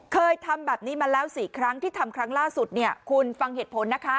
เคยทำแบบนี้มาแล้ว๔ครั้งที่ทำครั้งล่าสุดเนี่ยคุณฟังเหตุผลนะคะ